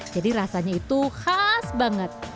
jadi rasanya itu khas banget